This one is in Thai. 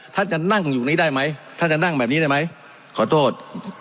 ท่านจะนั่งอยู่นี้ได้ไหมท่านจะนั่งแบบนี้ได้ไหมขอโทษ